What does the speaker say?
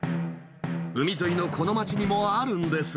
海沿いのこの町にもあるんです。